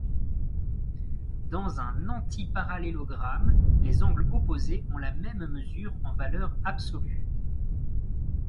Dans un antiparallélogramme, les angles opposés ont la même mesure en valeur absolue.